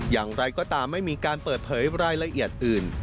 อย่างไรก็ตามไม่มีการเปิดเผยรายละเอียดอื่น